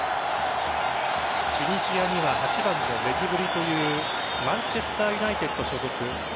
チュニジアには８番のメジブリというマンチェスターユナイテッド所属。